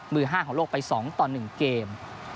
มือ๕ของโลกไป๒ต่อ๑เกม